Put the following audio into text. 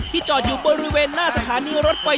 จอดอยู่บริเวณหน้าสถานีรถไฟ